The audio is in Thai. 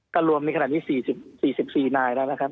ก็รวมในขณะนี้สี่แบบสี่สี่หลายแล้วนะครับ